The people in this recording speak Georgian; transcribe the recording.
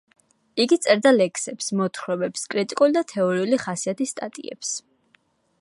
იგი წერდა ლექსებს, მოთხრობებს, კრიტიკული და თეორიული ხასიათის სტატიებს.